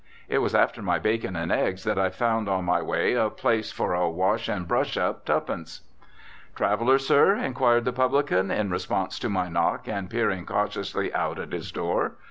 It was after my bacon and eggs that I found on my way a place for a "wash and brush up, tuppence." "Traveller, sir?" inquired the publican, in response to my knock and peering cautiously out at his door.